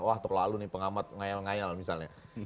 wah terlalu alu nih pengamat ngayal ngayal misalnya